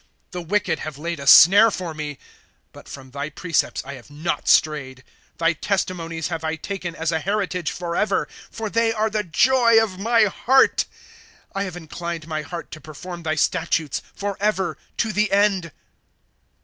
" The wicked have laid a snare for me ; But from thy precepts I have not strayed. ^ Thy testimonies laavo I taken as a heritage forever ; For they are the joy of my heart. 2 I have inclined my heart to perform thy statutes, Forever, to the end.